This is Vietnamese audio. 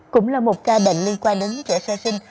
cũng là một ca bệnh liên quan đến trẻ sơ sinh